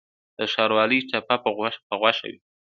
د ښاروالۍ ټاپه په غوښه وي؟